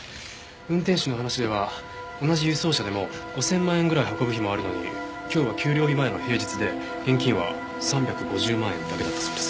運転手の話では同じ輸送車でも５０００万円ぐらい運ぶ日もあるのに今日は給料日前の平日で現金は３５０万円だけだったそうです。